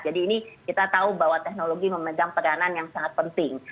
jadi ini kita tahu bahwa teknologi memegang peranan yang sangat penting